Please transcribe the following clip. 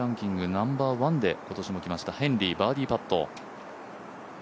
ナンバーワンで今年も来ましたヘンリー、バーディーパット。